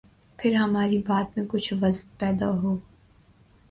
پھر ہماری بات میں کچھ وزن پیدا ہو۔